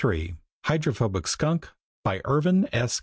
The Hydrophobic Skunk _By Irvin S.